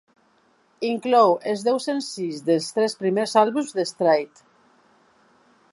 Inclou els deu senzills dels tres primers àlbums de Strait.